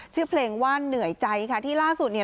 ชื่อเพลงว่าเหนื่อยใจค่ะที่ล่าสุดเนี่ย